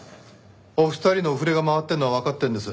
お二人のお触れが回ってるのはわかってるんです。